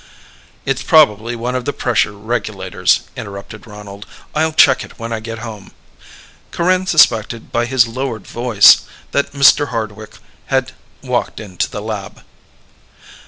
"It's probably one of the pressure regulators," interrupted Ronald. "I'll check it when I get home." Corinne suspected by his lowered voice that Mr. Hardwick had walked into the lab.